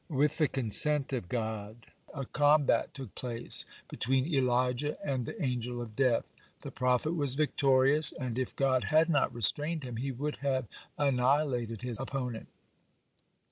With the consent of God, a combat took place between Elijah and the Angel of Death. The prophet was victorious, and, if God had not restrained him, he would have annihilated his opponent.